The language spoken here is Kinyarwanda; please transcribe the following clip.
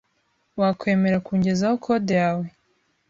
Wakwemera kungezaho code yawe?